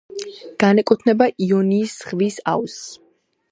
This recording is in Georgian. განეკუთვნება იონიის ზღვის აუზს.